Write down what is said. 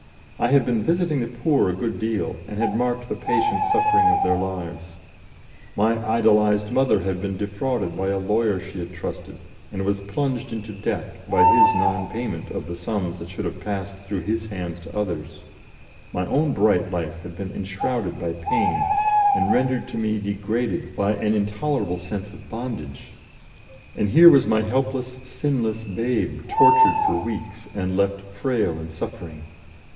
I had been visiting the poor a good deal, and had marked the patient suffering of their lives; my idolised mother had been defrauded by a lawyer she had trusted, and was plunged into debt by his non payment of the sums that should have passed through his hands to others; my own bright life had been enshrouded by pain and rendered to me degraded by an intolerable sense of bondage; and here was my helpless, sinless babe tortured for weeks and left frail and suffering.